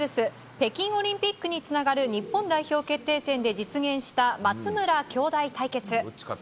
北京オリンピックにつながる日本代表決定戦で実現した松村兄妹対決。